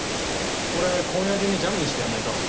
これ今夜中にジャムにしてやんないと。